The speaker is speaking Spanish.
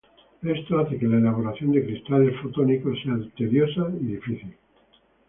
Esto hace que la elaboración de cristales fotónicos sea tediosa y difícil.